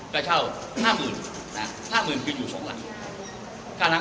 ก็เช่า๕๐๐๐๐บาท